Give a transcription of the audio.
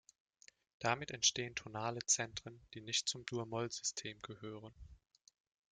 Damit entstehen tonale Zentren, die nicht zum Dur-Mollsystem gehören.